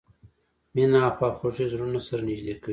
مینه او خواخوږي زړونه سره نږدې کوي.